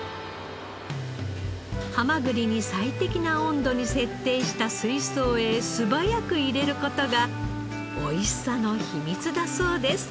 ハマグリに最適な温度に設定した水槽へ素早く入れる事がおいしさの秘密だそうです。